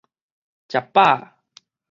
食飽啊